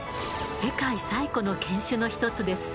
世界最古の犬種の１つです。